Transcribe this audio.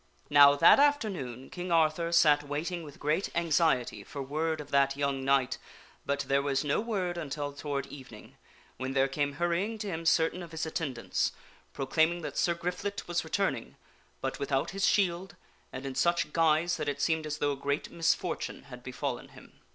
Now that afternoon King Arthur sat waiting with great anxiety for word 46 THE WINNING OF A SWORD of that young knight, but there was no word until toward evening, when there came hurrying to him certain of his attendants, proclaiming that Sir Griflet was returning, but without his shield, and in such guise that it seemed as though a great misfortune had befallen him.